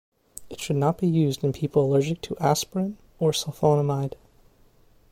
It should not be used in people allergic to aspirin or sulfonamide.